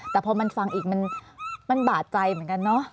แต่พอมันฟังอีกมันบาดใจเหมือนกันเนอะ